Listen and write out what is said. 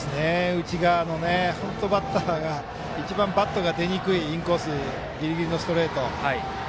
内側の本当にバッターが一番、バットが出にくいインコースぎりぎりのストレート。